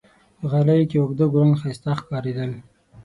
په غالیو کې اوږده ګلان ښایسته ښکارېدل.